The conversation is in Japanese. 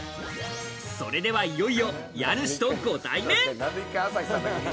それではいよいよ家主とご対面。